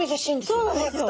そうなんですよ。